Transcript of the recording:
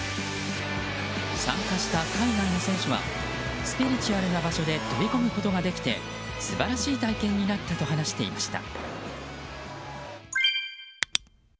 参加した海外の選手はスピリチュアルな場所で飛び込むことができて素晴らしい体験になったと話していました。